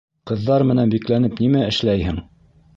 Ҡыҙҙар менән бикләнеп нимә эшләйһең?